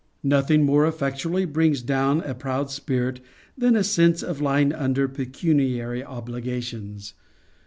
Nothing more effectually brings down a proud spirit, than a sense of lying under pecuniary obligations.